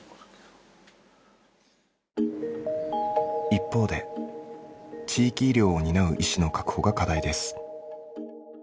一方で地域医療を担う医師の確保が課題です。